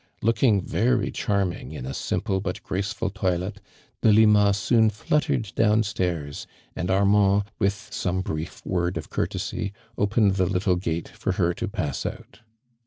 Looking very charming in a simple but graceful toilet, Delima soon fluttered down stab's, and Armand, with some brief word of courtesy, opened the little gate for her to pass out.